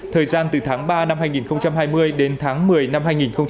thời gian từ tháng ba năm hai nghìn hai mươi đến tháng một mươi năm hai nghìn hai mươi